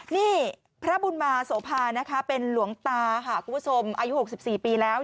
นี่พระบุญมาโสภานะคะเป็นหลวงตาค่ะคุณผู้ชมอายุ๖๔ปีแล้ว